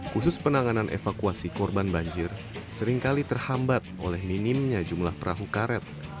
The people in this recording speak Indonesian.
khusus penanganan evakuasi korban banjir seringkali terhambat oleh minimnya jumlah perahu karet